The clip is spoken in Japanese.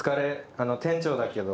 あの店長だけど。